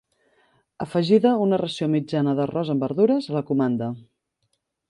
Afegida una ració mitjana d'arròs amb verdures a la comanda.